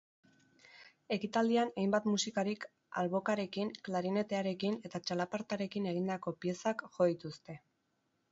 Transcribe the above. Ekitaldian hainbat musikarik albokarekin, klarinetearekin eta txalapartarekin egindako piezak jo dituzte.